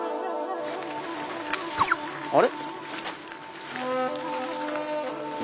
あれ？